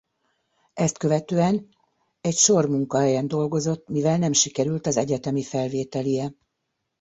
Ezt követően egy sor munkahelyen dolgozott mivel nem sikerült az egyetemi felvételije.